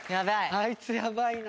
あいつやばいな。